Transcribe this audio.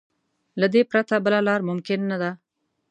له دې پرته بله لار ممکن نه ده.